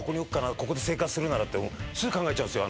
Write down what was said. ここで生活するならってすぐ考えちゃうんですよ